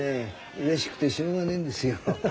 うれしくてしょうがねえんですよ。